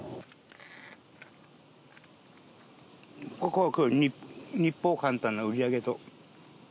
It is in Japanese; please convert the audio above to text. ここ、日報、簡単な売り上げと。